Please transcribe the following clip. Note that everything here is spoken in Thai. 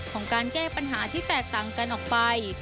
ของการแก้ปัญหาที่แตกต่างกันออกไป